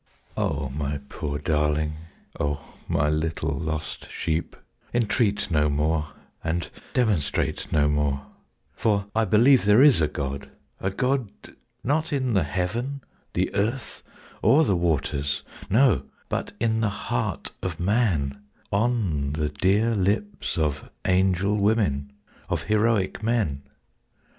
O my poor darling, O my little lost sheep, Entreat no more and demonstrate no more; For I believe there is a God, a God Not in the heaven, the earth, or the waters; no, But in the heart of man, on the dear lips Of angel women, of heroic men!